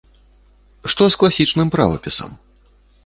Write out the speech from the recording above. Што з класічным правапісам?